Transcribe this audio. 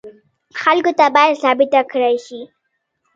خلکو ته باید ثابته کړای شي.